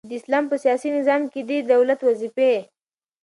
چي د اسلام په سیاسی نظام کی د دولت وظيفي.